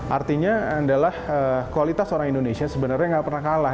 artinya adalah kualitas orang indonesia sebenarnya nggak pernah kalah